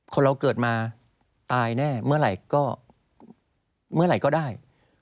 คนเราเกิดมาตายแน่เมื่อไหร่ก็ได้